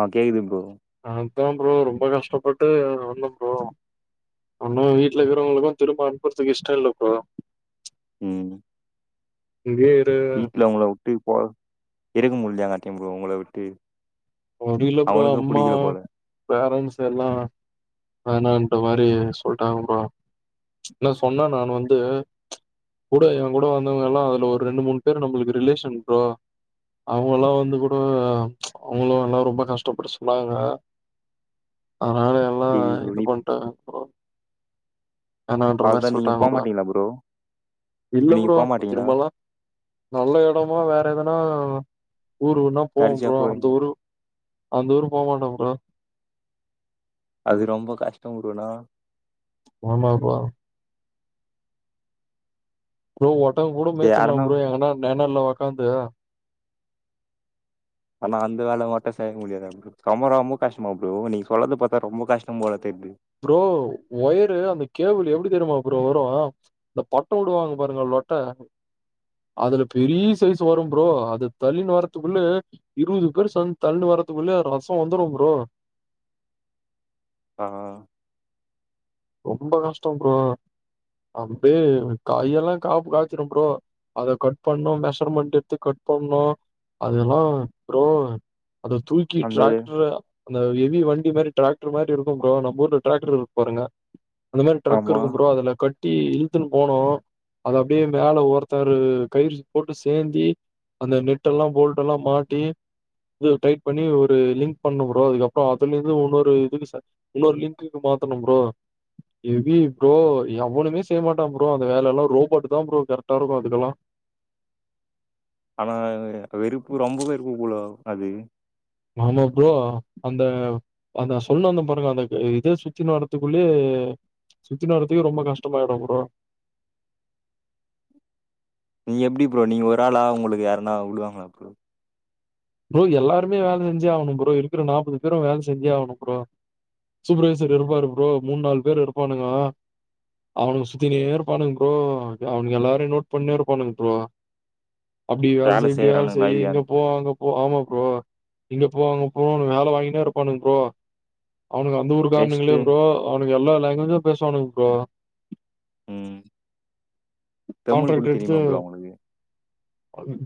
ஆ கேக்குதுங் ப்ரோ அதா ப்ரோ ரொம்ப கஷ்டப்பட்டு அங்க வந்தோ ப்ரோ உன்னு வீட்ல இருக்கிறவங்களுக்கு திரும்ப அனுப்புறதுக்கு இஷ்டோ இல்ல ப்ரோ ம் இங்கயே இரு வீட்ல அவுங்கள விட்டு போ இருக்க முடியலயாங்க ப்ரோ உங்கள விட்டு அது இல்ல ப்ரோ அவங்களுக்கு அம்மா புடிக்கல போல பேரன்ட்ஸ் எல்லா வேணான் ற மாரி சொல்ட்டாங்க ப்ரோ இல்ல சொன்னா நானு வந்து கூட என் கூட வந்தவுங்க எல்லா அதுல ஒரு ரெண்டு மூணு பேர் நம்பளுக்கு ரிலேஷன் ப்ரோ அவுங்க எல்லா வந்து கூட அவுங்களு எல்லா ரொம்ப கஷ்டப்பட்டு சொன்னாங்க அதனால எல்லா சரி ப்ரோ இது நீ பண்ணிட்டான்க ப்ரோ வோணான்ற மாரி அதுதா நீங்க சொல்லிட்டாங்க போ போல மாட்டீங்களா ப்ரோ இல்ல இப்ப நீங்க ப்ரோ போ இப்ப மாட்டீங்களா திரும்பலா நல்ல எடமா வேற எதனா ஊர்ஊன்னா போவே கடிச்சா ப்ரோ அ போவீங்க ஊரு அந்த ஊரு போ மாட்டே ப்ரோ அது ரொம்ப கஷ்டம்னா ஆமா ப்ரோ ப்ரோ ஒன் னா கூட மேச்சில்லா யாருன்னா ப்ரோ [unintelligible] னல்ல ஒக்காந்து ஆனா அந்த வேல மொத்தோ செய்ய முடியாது ரொம்ப ரொம்ப கஷ்டமா ப்ரோ நீங்க சொல்த பாத்தா ரொம்ப கஷ்டம் போல தெரிது ப்ரோ ஒயரு அந்த கேபிள் எப்டி தெரியுமா ப்ரோ வரு இந்த பட்டம் விடுவாங்க பாருங்க லொட்ட அதுல பெரிய சைஸ் வரு ப்ரோ அது தள்ளின்னு வர்ரதுக்குள்ள இருவது பேர் சேந்து தள்ளின்னு வர்ரதுக்குள்ள ரசோ வந்துரு ப்ரோ ஆ ஆ ரொம்ப கஷ்டம் ப்ரோ அம்பே கயெல்லா காப்பு காய்ச்சிடு ப்ரோ அத கட் பண்ணோ மெஷர்மெண்ட் எடுத்து கட் பண்ணோ அதெல்லா ப்ரோ அத தூக்கி அந்த டிராக்டர் அந்த எவி வண்டி மாதிரி டிராக்டர் மாதிரி இருக்கு ப்ரோ நம்ம ஊர்ல டிராக்டர் இருக்கு பாருங்க அந்த மாரி டிரக் ஆமா இருக்கு ப்ரோ அதுல கட் சுட்டி இழுத்துன்னு போனோ அத அப்டியே மேல ஒருத்தர் கயிற போட்டு சேத்தி அந்த நெட்டெல்லா போல்டெல்லா மாட்டி இது டைட் பண்ணி ஒரு லிங்க் பண்ணும் ப்ரோ அதுக்கப்புறோ அதுலருந்து இன்னொரு இதுக்கு இன்னொரு லிங்க்குக்கு மாத்தணு ப்ரோ எவி ப்ரோ எவனுமே செய்யமாட்டா ப்ரோ அந்த வேலைலா ரோபோட்டு் தா ப்ரோ கரெக்டா இருக்கு அதுக்கெல்லா ஆனா வெருப்பு ரொம்பவு இருக்க கூடாது அது ஆமா ப்ரோ அந்த அந்த சொல்ல அந்த பாருங்க அந்த இதே சுத்தி வரதுக்குள்ளேயே சுத்தி வரத்துக்கு ரொம்ப கஷ்டமாயிடு ப்ரோ நீங்க எப்டி ப்ரோ நீங்க ஒரு ஆளா உங்களுக்கு யாரனா விடுவாங்களா ப்ரோ ப்ரோ எல்லாருமே வேல செஞ்சே ஆகணு ப்ரோ இருக்கிற நாற்பது பேரு வேல செஞ்சே ஆகணு ப்ரோ சூப்பர்வைசர் இருப்பாரு ப்ரோ மூணு நாலு பேர் இருப்பானுங்க அவனுங்க சுத்தினே இருப்பானுங்க ப்ரோ அவனுங்க எல்லாரையு நோட் பண்ணினே இருப்பானுங்க ப்ரோ அப்டி வேலை வேல செய் இப்டி வேலை செய்யறானுங்களா செய் இங்க இல்லையான்னு போ அங்க ப்ரோ இங்க போ அங்க போன்னு வேலை வாங்கினே இருப்பானுங்க ப்ரோ அவனுங்க அந்த ஊர் காரணுங்களே ரெஸ்ட்டு ப்ரோ அவனு எல்லா லாங்குவேஜு பேசுவானுங்க ப்ரோ உ தமிழ் கூட கான்ட்ராக்ட் எடுத்து தெரியுமா ப்ரோ அவங்களுக்கு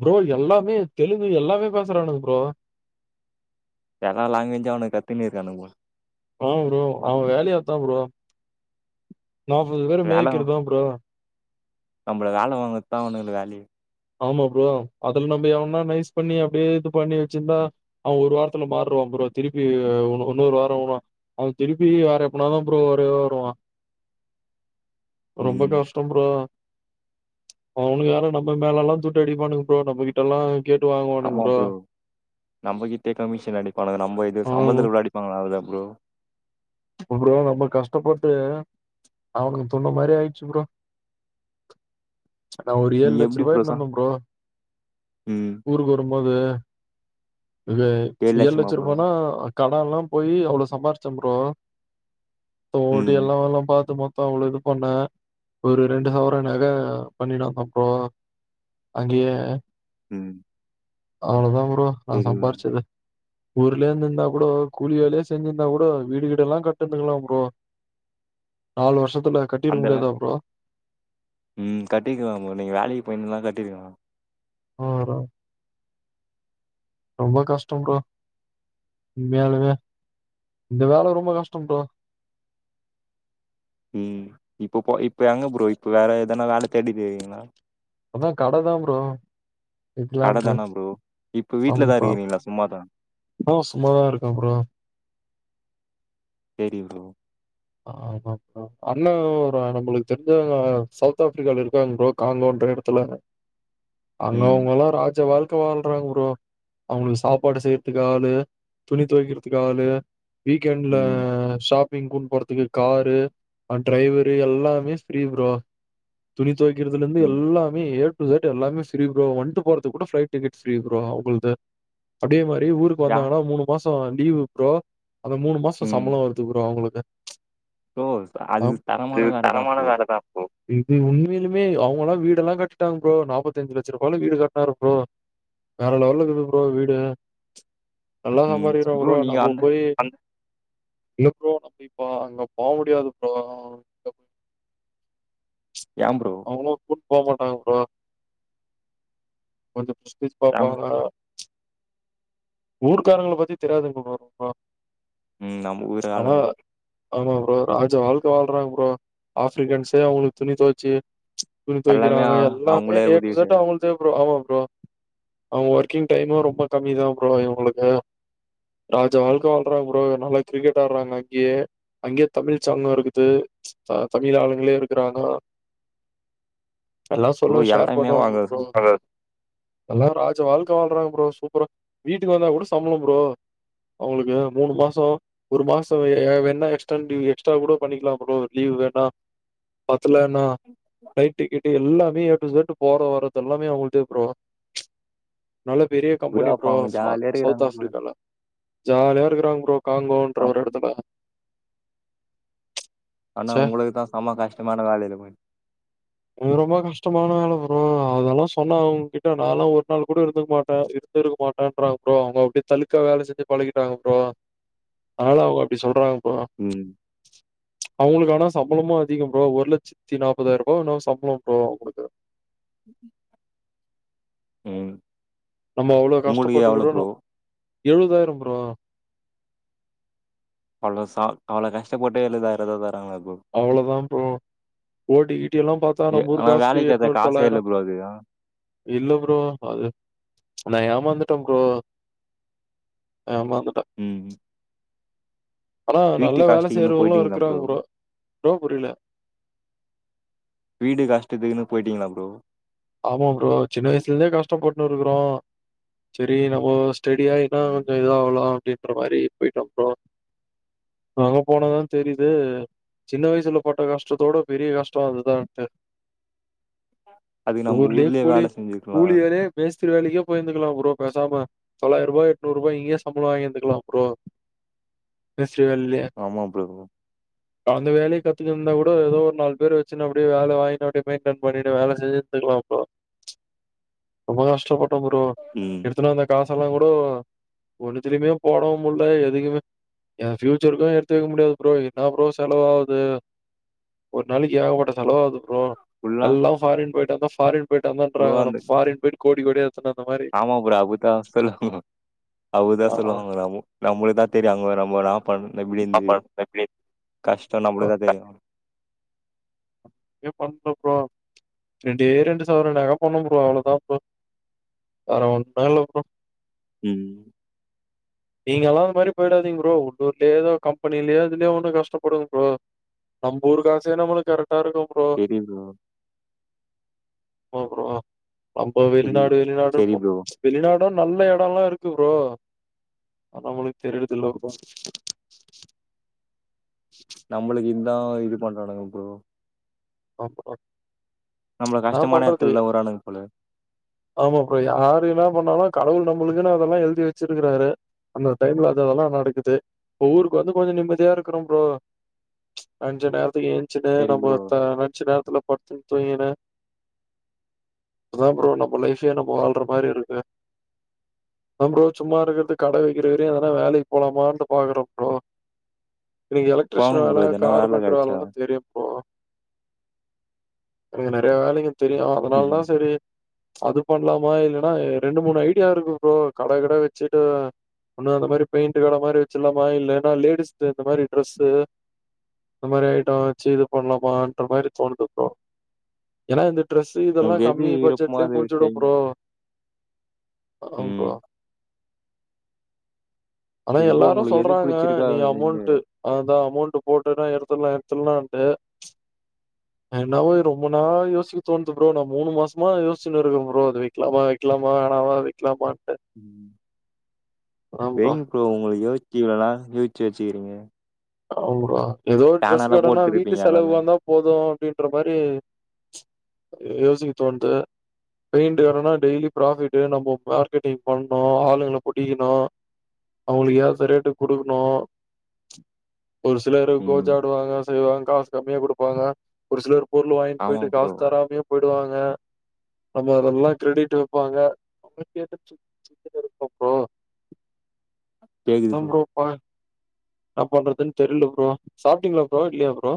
ப்ரோ எல்லாமே தெலுங்கு எல்லாமே பேசுறானுங்க ப்ரோ எல்லா லாங்குவேஜூம் அவனுங்க கத்தினி இருக்கானுங்க ப்ரோ ஆ்மா ப்ரோ அவ வேலயே அதா ப்ரோ நாப்பது பேர வேல மேய்கிறதா ப்ரோ நம்மள வேல வாங்கரது தா அவனுங்க வேலயே ஆமா ப்ரோ அதுல நம்ம எவனா நைஸ் பண்ணி அப்டியே இது பண்ணி வச்சிருந்தா அவ ஒரு வாரத்துல மாறுடுவா ப்ரோ திருப்பி இன்னொரு வாரோ அவ திருப்பி வேற எப்பனாதா ப்ரோ வரவே வருவா ரொம்ப ம் கஷ்டம் ப்ரோ அவனுங்க வேற நம் ம மேலல்லா துட்டு அடிப்பானுங்க ப்ரோ நம்மகிட்டல்லா ஆமா ப்ரோ நம்மகிட்டே கமிஷன் அடிப்பானுங்க நம்ம இது ம். சம்பளத்துல அடிப்பாங்க‌ அத ப்ரோ ப்ரோ நம்ம கஷ்டப்பட்டு அவனுங்க துண்ண மாரி ஆயிட்ச்சு ப்ரோ நா ஒரு ஏழு நீங்க லட்ச எப்டி ருவா எட்னு சா வந்தம் ப்ரோ ம் ஊருக்கு வரும்போது இது ஏழு லட்சமா லச்ச ப்ரோ ருபானா கடன்லா போயி‌ அவ்ளொ சம்பாரிச்டே ப்ரோ தோடு ம் எல்லா அவளா பாத்துப்பா த்த அவ்ள இது பண்ணே ஒரு ரெண்டு சவர நக பண்ணிடுவ அப்போ அங்கயே ம் அவ்ளதா ப்ரோ நா சரி ப்ரோ சம்பார்ச்சது ஊர்லயே இந்துந்தா கூட கூலி வேலயே செஞ்சிந்தா கூட வீடுக ல்லா கட்டிந்துங்களா ப்ரோ நாலு வருஷ அந்தக ம் கட்டிக்குலா ப்ரோ நீங்க வேலைக்கு போயிர்ந்தனா கட்டிருக்கலா ஆ ப்ரோ ரொம்ப கஷ்டம் ப்ரோ உண்மையாலுமே இந்த வேல ரொம்ப கஷ்டம் ப்ரோ ம் இப்ப போ இப்ப எங்க ப்ரோ இப்ப வேற எதனா வேல தேடிட் இருக்கீங்ளா அதா கடதா ப்ரோ கட வக்கெலான்ட்டு தானா ப்ரோ ஆ வீட்ல தா இப்ப இருக்கிறீங்களா சும்மாதா இப்ப நா சும்மாதா இருக்க ப்ரோ சேரி ப்ரோ ஆமா ப்ரொ அண்ணே ஒரு நம்பளுக் தெரிஞ்சவுங்க சவுத் ஆஃப்ரிக்கால இருக்காங்க ப்ரோ காங்கோன்ற எடத்துல அங்க ம் அவுங்கல்லா ராஜ வாழ் க்க வாழ்றாங்க ப்ரோ அவுங்ளுக்கு சாப்பாடு செய்யிற்துக்கு ஆளு துணி தொவக்கிற்துக்கு ஆளு வீக்கெண்ட்ல ம் ஷாப்பிங் குன் த்துக்கு காரு அன் ட்ரைவரு எல்லாமே ஃப்ரீ ப்ரோ துணி தொய்க்கிறதுலந்து ம் எல்லாமே ஏ டு ஸெட் எல்லாமே ஃப்ரீ ப்ரோ வன்ட்டு போறதுக் கூட ஃப்ளைட் டிக்கெட் ஃப்ரீ ப்ரோ அவுங்கள்து அதேமா ரி ஊருக்கு யா வந்தாங்கனா மூணு மாசொ லீவு ப்ரோ அந்த மூணு மாச ம் சம்பள வருது ப்ரோ அவுங்களுக்கு ப்ரோ அது தரமான வேலதான் ப்ரோ இது உண்மைலுமே அவு ங்களா வீடெல்லா கட்டிட்டாங்க ப்ரோ நாப்பத்தஞ்சு லட்ச ருபால வீடு கட்னாரு ப்ரோ வேற லெவல்ல இக்குது ப்ரோ வீடு நல்லா ம் சம்பாரிக்குறா ப்ரோ நீங்க நம்ம அந்த போய் அங்க இல்ல ப்ரோ இப்ப அங்க போ முடியாது ப்ரோ ஏன் ப்ரோ அவுக்கு போமாட்டாங்க ப்ரோ கொஞ்ச சிபிஸ் ஏன் பாப்பாங்க ஊர்காரங்கள பத்தி தெரியாதுங்க ப்ரோ போ ம் நம் ஊர் ஆளுங்க ஆமா ப்ரோ ராஜா வாழ்க்க வாழ்றா ப்ரோ ஆபிரிக்கன்ஸே அவுகளுக்கு துணி தொவய்ச்சி துணி எல்லாமே தொவைக்கிறாங்க அ- எல்லாமே அவங்களே ஏ டூ உதவி இசட் செய்றாங்க அவுங்குலுதே ப்ரோ ஆமா ப்ரோ அவுங்க ஒர்க்கிங் டைமோ ரொம்ப கம்மிதா ப்ரோ இவங்களுக்கு ராஜா வாழ்க்க வாழ்றா ப்ரோ நல்லா கிரிக்கெட் ஆடுறாங்க அங்கேயே அங்கேயே தமிழ் சாங்கும் இருக்குது தமிழ் ஆளுங்களே இருக்கிறாங்க எல்லா ப்ரோ செல்லுல ஷேர் எல்லாமே பண்ணுவாங்க அவங்க ப்ரோ அத எல்ல ராஜா வாழ்க்க வாழ்றாங்க ப்ரோ சூப்பரா வீட்டுக்கு வந்தா கூட சம்பளோ ப்ரோ அவுங்ளுக்கு மூணு மாசோ ஒரு மாசோ வேணா எக்ஸ்டன் டீவ் எக்ஸ்ட்ரா கூட பண்ணிக்கலா ப்ரோ லீவ் வேணா பத்தலனா நைட் டிக்கெட் எல்லாமே எ டூ இசட் போற வரறது எல்லாமே அவுங்கள்தே ப்ரோ நல்ல பெரிய கம்பெனி அப்ப ப்ரோ அவங்க ச, ஜாலியா சவுத் இருக்கிறாங்க போல ஆஃப்ரிக்கால ஜாலியா இருக்றாங்க ப்ரோ காங்கோன்ற ஒரு ஆமா எடத்துல ஆனா ச்சே! உங்களுக்குதா செம்ம கஷ்டமான வேலயிருக்கு உனுக்கு ரொம்ப கஷ்டமான வேல ப்ரோ அதெல்லா சொன்னா உங்கிட்ட நாயெல்லா ஒரு நாள் கூட இருந்துருக்கமாட்டே இருந்துருக்கமாட் ப்றாங்க ப்ரோ அவுங்க அப்பிடியே தலுக்கா வேல செஞ்சி பழகிட்டாங்க ப்ரோ அதனால அவுங்க அப்பிடி சொல்றாங்க ம் அவுங்களுக் ஆனா சம்பளமு அதிகோ ப்ரோ ஒரு லட்சத்தி நாப்பதாயிருவா என்னவோ சம்பளம் ப்ரோ அவுங்களுக்கு ங், ங் ம் நம்ம அவ்ளோ உங்களுக்கு எவ்ளோ கஷ்டப்பட்டுக்குடோ ப்ரோ நம் எழுவதாயிரம் ப்ரோ பழசா அவள கஷ்டபட்டு எழுவதாயிரத எழுவதா அவ்ளோதா ப்ரோ ஓட்டி கீட்டிய எல்லா பாத்தா எ நம் ஊரு ஆனா காசுக்கு வேலைக்கு அது எட்நூறு காசே தொள்ளாயிறோ இல்ல ப்ரோ அது ஆ. இல்ல ப்ரோ அது நா ஏமாந்துட்டே ப்ரோ ஏமாந்துட்ட ம் ஆனா வீட்டு நல்ல வேல கஷ்டக்குன்னு செய்றவங்களு போயிட்டீங்களா இருக்கிறாங்க ப்ரோ ப்ரோ புரியல போய்ட்டீங்களா ப்ரோ ஆமா ப்ரோ சின்ன வயசுல இருந்தே கஷ்டபட்னு இருக்கிறோ சேரி நம்ம செடியாய்ன்னா கொஞ்ச இதாகலா அப்டின்ற மாரி போயிட்டோ ப்றோ அங்க போனதா தெரியுது சின்ன வயசுல பட்ட கஷ்டத்தோட பெரிய கஷ்டோ அதுதான்ட்டு [inaudible] ஊர்லே ஊர்லயே கூலி கூலி வேல செஞ்சுக்கலாம் கூலிவேலயே பேஸ் வேலிக்கே போயிருந்துக்கலா ப்ரோ பேசாம தொள்ளாயிர ரூபா எட்னூறு ரூபா இங்கயே சம்பளோ வாங்கிருந்துக்கலா ப்ரோ மேஸ்திரி வேலையிலயே. ஆமா ப்ரோ அந்த வேலைய கத்துக்கட்டு இருந்தா கூட ஏதோ ஒரு நாலு பேரு வச்சு அப்டியே வேல வாங்கினு அப்டியே மெயின்டென் பண்ணிட்டு வேல செஞ்சு [unintelligible] கஷ்டப்பட்ட ப்ரோ ம் எடுத்துட்வந்த காஷ் ல்லாம் கூட ஒண்ணுத்தலயுமே போடவு முட்ல எதுக்குமே எ ஃபியூச்சருக்கு எடுத்து வைக்க முடியாது ப்ரோ என்ன ப்ரோ செலவாவுது ஒரு நாளைக்கு ஏகப்பட்ட செலவாவுது ப்ரோ ஃபுல்லா எல்லா ஃபாரின் போயி [unintelligible] பாரின் ப்ரோ அந்த போயட்டுவந்த ஃபாரின் போய்டு கோடிக் கோடியா எடுத்துன்னு வந்த மாரி. ஆமா ப்ரோ அபதா சொல்லுவாங்க அபதா ஆ. ஆ. சொல்லுவாங்க நம் நம்மளதா தெரியாங்க நம்மநா ப நபடிந்து ஆமா. எப்படி கஷ்ட நப்பளத தெரிய [unintelligible] பண்ணல ப்ரோ ரெண்டே ரெண்டு சவர நக பண்ணு ப்ரோ அவ்வளதா ப்ரோ வேர ஒன்னு இல்ல ப்ரோ உ நீங்க எல்லா அந்த மாரக போயிடாதீங் ப்ரோ உள்ளர்லயே ஏதோ கம்பெனிலேயோ இதுலயே ஒண்ணு கஷ்டப்படுங்க ப்ரோ நம்ம ஊரு காசே நம்மளுக்கு கர ட்டா இருக்க ப்ரோ சரி ப்ரோ ஆ ப்ரோ நம்ப சரி ப்ரோ வெளிநாடு வெளிநாடு சரி ருப்போ ப்ரோ வெளிநாட் ன்னு நல்ல இடம்ல்லா இருக்கு ப்ரோ ஆண்ணாமளுக்கு தெரிடுதல்லருக்கு நம்மளுக்கு இந் தா இது பண்றானுங்க ப்ரோ ஆமா ஆ நம்மள நா கஷ்டமான பண்றது எடத்துல தா உடுறானுங்க போல ஆமாப்புறோ யாரு என்ன பண்ணாலு கடவுள் நம்மளுக்குன்னு அதெல்லா எலுதி வச்சிருக்கிறாரு அந்த டைம்ல அத தெல்லா நடக்குது ஒவ்வஊருக்கு வந்து கொஞ்ச நிம்மதியா இருக்கோ ப்ரோ அஞ்சு நேரத்துக்கு ஏ ச்சினு சரி நம்ம ப்ரோ த நினச்சு நேரத்துல பத்து தூங்கின அதா ப்ரோ நம்ம லைஃபே நம்ம வாழ்ற மாரி இருக்கு நா ப்ரோ சும்மா இருக்கிறது கட வைக்கிற வையு எதனா வேலைக்கு போலாமான்னு பாக்குற ப்ரோ இன்னக்கி போங்க எலக்ட்ரிஷியன் வேல ப்ரோ எதனா வேல கார்பன்டர் கெடச்சா வேலல்லாம் தெரியும் ப்ரோ கிரின த வேலைக்கு தெரியு அதனால தா ம் செரி அது பண்ணலாமா இல்லன்னா ரெண்டு மூணு ஐடியா இருக்கு ப்ரோ கட கிட வச்சிட்டு ஒன்னு அந்த மாரி பெயிண்ட் கட மாரி வச்சிலாமா இல்லன்னா லேடிஸ்து இந்த மாரி ட்ரெஸு இந்த மாரி ஐட்டம் வச்சி இது பண்ணலாமான்ற மாரி தோணுது ப்ரோ ஏன்னா நி ட்ரெஸு இதெல்லாம் உங்களுக்கு எது கம்மி விருப்பமோ பட்ஜெட்லே அது முடிஞ்சிடும் செய்ங்க ப்ரோ ஆ ப்ரோ ம் ஆனா சரி ப்ரோ எல்லாரும் உங்களுக்கு எது சொல்றாங்க புடிச்சிருக்கோ நீ அத வைங்க அமௌண்ட்டு அதா அமௌன்ட்டு போட்டுனா எடுத்துலாம் எடுத்துலான்ட்டு என்னாவும் ரொம்ப னோ யோசிக்க தோணுது ப்ரோ நான் மூணு மாசமா யோசிச்சினு இருக்கே ப்ரோ அது வைக்கலாமா வைக்கலாம வேனாவா வைக்கலாமா ம் வைங்க ப்ரோ உங்களுக்கு யோசிச்சி இவ்ளோ நாளிக்கு வச் சிக்கிறிங்க ஆமா எதோ ஒரு ட்ரெஸ் கடனா வீட்டு போட்டுருப்பீங்க எல்லாமே செலவுக்கு வந்தா போதும் அப்டின்ற மாரி யோசிக்க தோண்து பெயிண்ட்டு கடன்னா டெய்லி ஃபிராபிட்டு நம்போ மார்க்கெட்டிங் பண்ணும் ஆளுங்கள புடிக்கணும் அவுங்களுக்கு ஏத்த ரேட்டுக்கு குடுக்கணும் ஒரு சிலரு ம் கோச்சி ஆடுவாங்க செய்வாங்க காசு கம்மியா குடுப்பாங்க ஒரு சிலர் பொருளு வாங்கிட்டு ஆமா போயிட்டு ப்ரோ காசு தராமே போயிவாங் ம நம்ம அதெல்லாம் கிரிடிட்டு வப்பாங்க அவங்க கேட்டு அப்றோ தா ப்ரோ பா இன்ன பண்றதுன்னு தெர்ல ப்ரோ சாப்ட்டீங்களா ப்ரோ இல்லையா ப்ரோ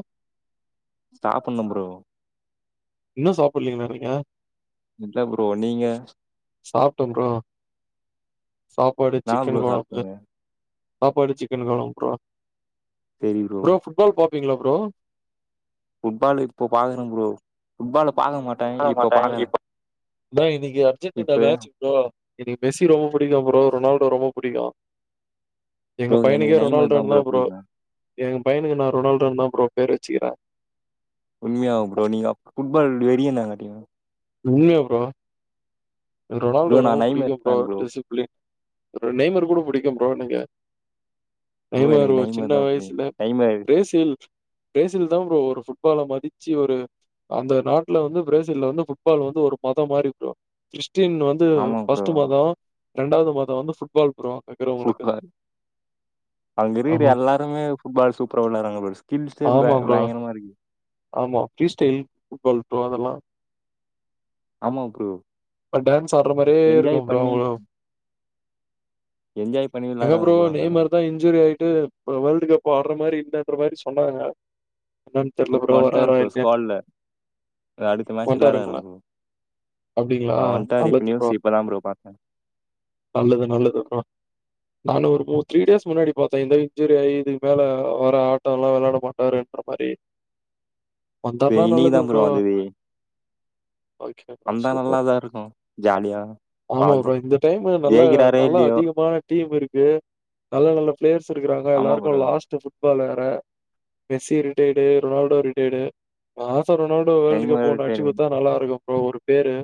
சாப்பண்ணும் ப்ரோ இன்னும் சாப்பிடலிங்களா நீங்க இல்ல ப்ரோ நீங்க சாப்ட்டன் ப்ரோ சாப்பாடு என்னா ப்ரோ சிக்கன் கொழம்பு சாப்ட்டீங்க சாப்பாடு சிக்கன் கொழம்பு ப்ரோ ப்ரோ ஃபுட்பால் பா பீங்களா ப்ரோ ஃபுட்பால் இப்போ பாக்கற ப்ரோ ஃபுட்பால பாக்க மாட்டே க்காவமாட்டேன் பாக்குறே இப்ப பே இன்னைக்கு அர்ஜென்ட்டுதா இப்ப வேலச்சி ப்ரோ எனக்கு மெஸ்ஸி ரொம்ப புடிக்கும் ப்ரோ ரொனால்டோ ரொம்ப புடிக்கும் எங்க ப்ரோ எனக்கு பையனுக்கே நைமர் ரொனால்டோனு தா ப்ரோ புடிக்கு எங்க பையனுக்கு நா ரொனால்டோ தான் ப்ரோ பேர் வச்சுக்கிறேன் உண்மையாவும் ப்ரோ நீங்க ஃபுட்பால் வெறியனா கட்டியும் உண்மையா ப்ரோ ரொனால்டோ ப்ரோ நா ரொம்ப நைமர் புடிக்கும் ப்ரோ ஃபேன் டிசிபிளின் நெய்மர் கூட புடிக்கும் ப்ரோ நீங்க ப்ரோ நெய்மர் எனக்கு ஓ சின்ன நைமர் தா புடிக்கு வயிசுல நைமர் பிரேசில் பிரேசில் தான் ப்ரோ ஒரு ஃபுட் ஃபுட்பால மதிச்சு ஒரு அந்த நாட்ல வந்து பிரேசில்ல வந்து ஃபுட்பால் வந்து ஒரு மதம் மாரி ப்ரோ கிருஷ் கிறிஸ்டின் வந்து ஆமா ப்ரோ பஸ்டு மதோ ரெண்டாவுது மதம் வந்து ஃபுட்பால் ப்ரோ இருக்கிறவங்களுக்கு. ஃபுட்பால் அங்க இருக்கிற ஆமா. எல்லாருமே ஃபுட்பால் சூப்பரா விளாடறாங்க பாரு ஸ்கில்சே பே ஆமா ப்ரோ. பயங்கரமா இருக்கு ஆமா ஃப்ரீ ஸ்டைல் ஃபுட்பால் ப்ரோ அதல்லா ஆமா ப்ரோ பட் டான் ஸ் ஆடுற மாரியே என்ஜாய் இருக்கும் ப்ரோ பண்ணி அவுங்களும் என்ஜாய் பண்ணி எங்க விளாட்றாங்க ப்ரோ அங்கன நெய்மர் தா இஞ்சுரி ஆய் டு வேல்டுகப்பு ஆடுற மாரி இல்லன்ற மாரி சொன்னாங்க தெரில இப்ப ப்ரோ வன்ட்டாரு வராறா ப்ரோ இல்லயான்னு ஸ்குவாட்ல அடுத்த மேட்ச் விளாடுறாரா வந்தாருங்ளா ப்ரோ அப்டிங்ளா அவ வன்ட்டாரு இப்ப நல்லது நியூஸ் ப்ரோ இப்பதா பாத்தே நல்லது நல்லது ப்ரோ நானு ஒரு மூத் திரிடேஸ் முன்னாடி பாத்தேன் இந்த இஞ்சுரி ஆயி இதுக்கு மேல வர ஆட்டோல்லா விளையாட மாட்டாருன்ற மாரி பே வந்தாருன்னா நல்லது இன்னிக்கிதா ப்ரோ வந்தது கேட்டா வந்தா சூப்பர் நல்லாதா இருக்கு ஜாலியா ஆமா ப்ரோ பாத்துட்டு இந்த டைம் நல்ல ஜெயிக்கிறாரோ நல்ல இல்லையோ அதிகமான டீம் இருக் கு நல்ல நல்ல பிளேயர் இருக்குறாங்க ஆமா எல்லாருக்கு ப்ரோ லாஸ்ட் ஃபுட்பால ப மெஸ்ஸி ரிட்டேட் ரொனால்டோ ரிட்டேட் தோ ரொனால்டோ வேர்ல்டு கப் நெய்மர் ஒன்னு அடிச்சு குடுத்தா நல்லாருக்கும் ஒரு பேரு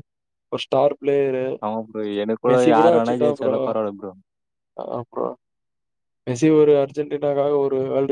ஒரு ஸ்டார் பிளேயரு. ஆமா ப்ரோ எனக் கூட மெஸ்ஸி யாரு வேனா அடிச்சுட்டான் ப்ரோ. ஜெயிச்சாலும் பரவால்ல ப்ரோ அதான் ப்ரோ. மெஸ்ஸி ஒரு அர்ஜென்டுகா ஒரு வேல்டு